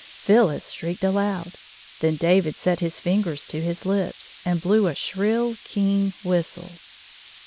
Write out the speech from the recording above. PhyUis shrieked aloud. Then David set his fingers to his lips, and hlew a shrill, keen whistle.